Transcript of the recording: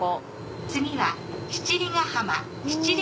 次は七里ケ浜七里